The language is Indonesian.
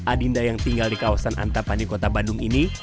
adinda yang tinggal di kawasan antapanikota bandung ini